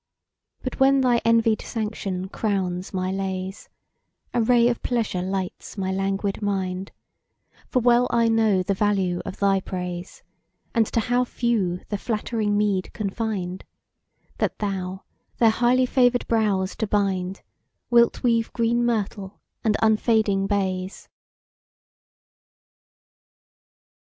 But when thy envied sanction crowns my lays, A ray of pleasure lights my languid mind, For well I know the value of thy praise; And to how few the flattering meed confined, That thou, their highly favour'd brows to bind; Wilt weave green myrtle and unfading bays.